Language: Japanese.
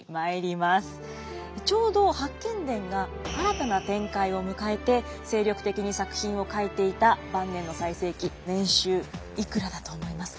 ちょうど「八犬伝」が新たな展開を迎えて精力的に作品を書いていた晩年の最盛期年収いくらだと思いますか。